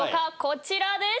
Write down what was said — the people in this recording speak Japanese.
こちらです。